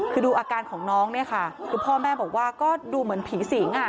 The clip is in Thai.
คือดูอาการของน้องเนี่ยค่ะคือพ่อแม่บอกว่าก็ดูเหมือนผีสิงอ่ะ